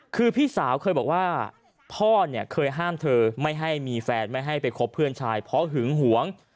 คือพี่สาวเคยบอกว่าพ่อเนี่ยเคยห้ามเธอไม่ให้มีแฟนไม่ให้ไปคบเพื่อนชายเพราะหึงหวง